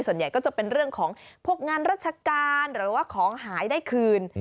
ส่วนใหญ่ก็จะเป็นเรื่องของพวกงานราชการหรือว่าของหายได้คืน